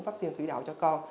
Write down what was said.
vắc xin thủy đậu cho con